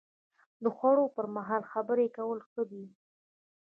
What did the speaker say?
د خوړو پر مهال خبرې کول ښه دي؟